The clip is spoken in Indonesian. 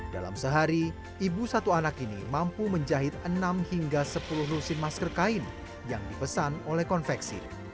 dalam sehari ibu satu anak ini mampu menjahit enam hingga sepuluh lusin masker kain yang dipesan oleh konveksi